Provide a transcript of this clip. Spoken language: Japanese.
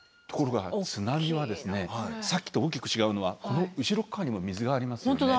ところが津波はさっきと大きく違うのはこの後ろっ側にも水がありますよね。